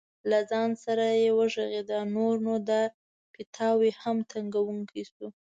له ځان سره یې وغږېده: نور نو دا پیتاوی هم تنګوونکی شو.